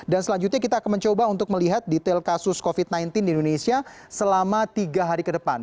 dan selanjutnya kita akan mencoba untuk melihat detail kasus covid sembilan belas di indonesia selama tiga hari ke depan